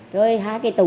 rồi hai cái tủ